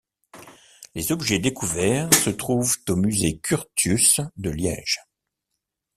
Les objets découverts se trouvent au musée Curtius de Liège.